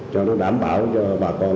cho nó đảm bảo cho bà con